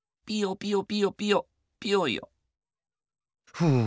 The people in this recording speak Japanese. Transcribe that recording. ふう。